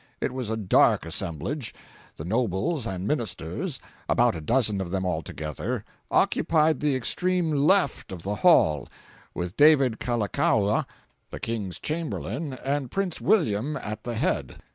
It was a dark assemblage. The nobles and Ministers (about a dozen of them altogether) occupied the extreme left of the hall, with David Kalakaua (the King's Chamberlain) and Prince William at the head.